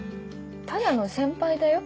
ただの先輩だよ。